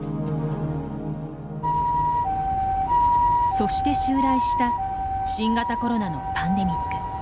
そして襲来した新型コロナのパンデミック。